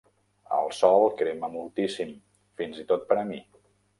El sol crema moltíssim, fins i tot per a mi.